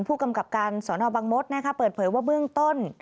ผู้กำกับการสอนอบังมศเปิดเผยว่าเบื้องต้น